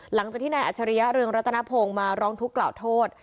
หลังจากที่นายอัจฉริยะเรืองรัตนพงศ์มาร้องทุกข์กล่าวโทษ